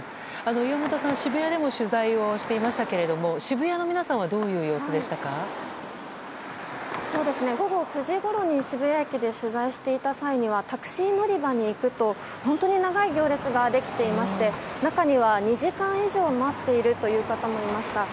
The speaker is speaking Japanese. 岩本さんは渋谷でも取材をしていましたけれども渋谷の皆さんは午後９時ごろに渋谷駅で取材していた際にはタクシー乗り場に行くと本当に長い行列ができていまして中には２時間以上待っているという方もいらっしゃいました。